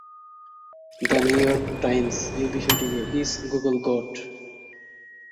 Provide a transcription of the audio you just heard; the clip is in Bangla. দ্যা নিউইয়র্ক টাইমস এই বিষয়টিকে "ইজ গুগল গড?"